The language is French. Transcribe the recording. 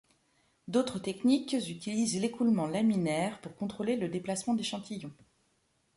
D'autre techniques utilisent l'écoulement laminaire pour contrôler le déplacement d'échantillons.